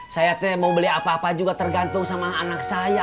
saya tidak mau beli apa apa juga tergantung sama anak saya